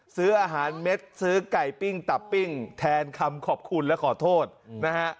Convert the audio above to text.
ซื้ออาหารเม็ดซื้อไก่ปิ้งตับปิ้งแทนคำขอบคุณและขอโทษนะฮะ